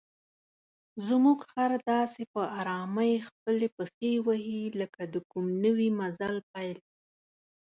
زموږ خر داسې په آرامۍ خپلې پښې وهي لکه د کوم نوي مزل پیل.